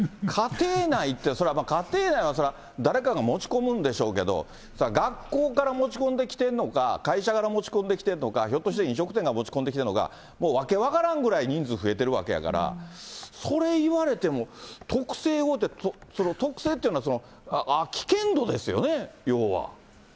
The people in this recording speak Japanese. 家庭内って、それは家庭内、それは誰かが持ち込むんでしょうけれども、学校から持ち込んできているのか、会社から持ち込んできているのか、ひょっとして飲食店が持ち込んできているのか、もう訳分からんぐらい人数増えてるわけやから、それ言われても、特性をって、その特性っていうのは、危険度ですよね、ようは。